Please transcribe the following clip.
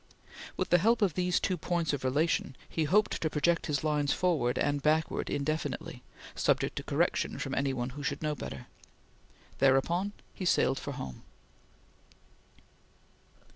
With the help of these two points of relation, he hoped to project his lines forward and backward indefinitely, subject to correction from any one who should know better. Thereupon, he sailed for home.